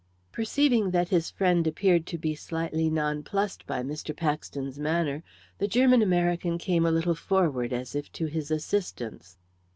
Perceiving that his friend appeared to be slightly nonplussed by Mr. Paxton's manner, the German American came a little forward, as if to his assistance.